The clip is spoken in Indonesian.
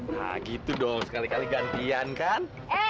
nah gitu dong sekali kali gantian kan